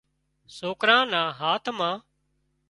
سوڪران نا هاٿ مان